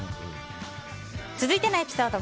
続いてのエピソード。